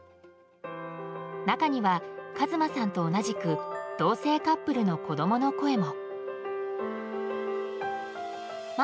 中には、和真さんと同じく同性カップルの子供の声も。